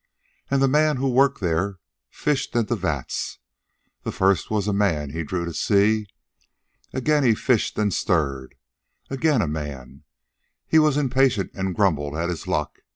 And the man who worked there fished in the vats. The first was a man he drew to see. Again he fished and stirred. Again a man. He was impatient, and grumbled at his luck.